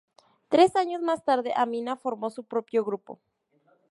Tres años más tarde, Amina formó su propio grupo.